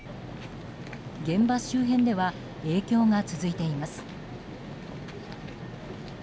現場周辺では影響が続いています。